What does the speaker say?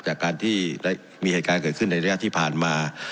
จากการที่มีเหตุการณ์เกิดขึ้นในระยะที่ผ่านมา